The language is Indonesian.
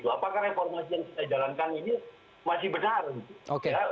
apakah reformasi yang kita jalankan ini masih benar